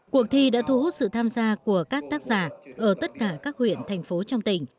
cuộc thi đã thu hút sự tham gia của các tác giả ở tất cả các huyện thành phố trong tỉnh